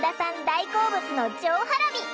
大好物の上ハラミ。